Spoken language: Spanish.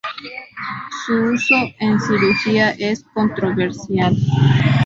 Su uso en cirugía es controversial.